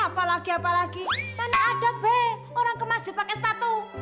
apalagi apalagi karena ada be orang ke masjid pakai sepatu